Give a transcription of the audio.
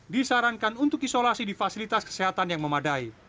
disarankan untuk isolasi di fasilitas kesehatan yang memadai